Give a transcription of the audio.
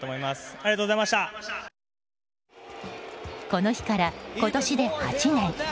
この日から今年で８年。